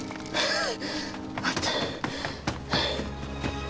ああ！